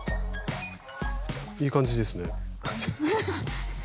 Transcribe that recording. いい感じですね。